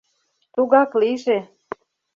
Тугак лийже...